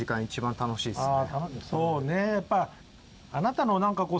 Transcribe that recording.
楽しいですね。